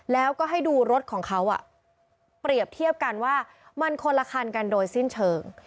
แล้วก็ให้ดูรถของเขาเปรียบเทียบกันว่ามันคนละคันกันโดยสิ้นเชิง